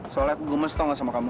soalnya aku gemes tau nggak sama kamu